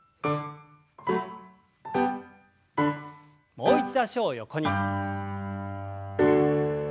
もう一度脚を横に。